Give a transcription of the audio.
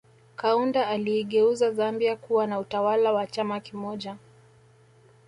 Kaunda aliigeuza Zambia kuwa na utawala wa chama kimoja